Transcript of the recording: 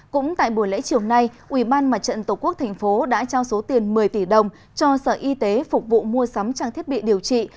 cũng tại buổi lễ chiều nay ubnd tqvn tp đã trao số tiền một mươi tỷ đồng cho sở y tế phục vụ mua sắm trang thiết bị điều trị